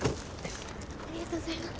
ありがとうございます。